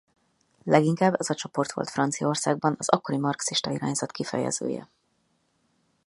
Leginkább ez a csoport volt Franciaországban az akkori marxista irányzat kifejezője.